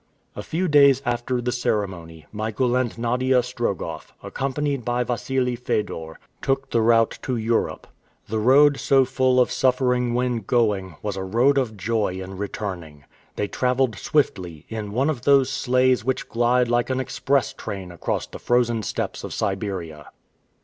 A few days after the ceremony, Michael and Nadia Strogoff, accompanied by Wassili Fedor, took the route to Europe. The road so full of suffering when going, was a road of joy in returning. They traveled swiftly, in one of those sleighs which glide like an express train across the frozen steppes of Siberia.